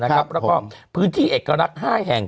แล้วก็พื้นที่เอกลักษณ์๕แห่ง